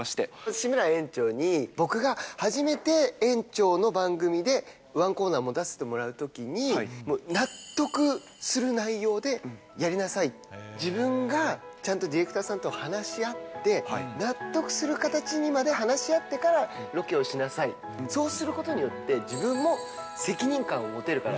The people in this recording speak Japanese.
志村園長に僕が初めて園長の番組でワンコーナー持たせてもらうときに、納得する内容でやりなさい、自分がちゃんとディレクターさんと話し合って、納得する形にまで話し合ってからロケをしなさい、そうすることによって、自分も責任感を持てるから。